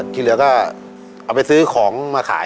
ที่เหลือก็เอาไปซื้อของมาขาย